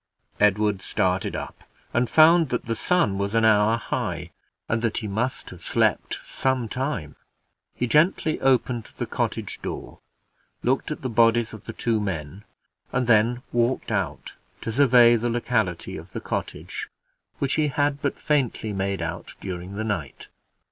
Edward started up, and found that the sun was an hour high, and that he must have slept some time. He gently opened the cottage door, looked at the bodies of the two men, and then walked out to survey the locality of the cottage, which he had but faintly made out during the night.